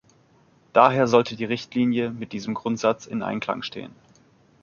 Daher sollte die Richtlinie mit diesem Grundsatz in Einklang stehen.